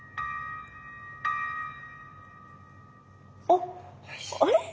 おっあれ？